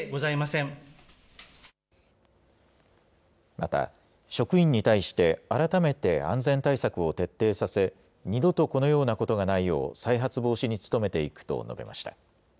また、職員に対して、改めて安全対策を徹底させ、二度とこのようなことがないよう、再発防止に努めていくと述べました。